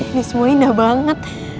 ini semua indah banget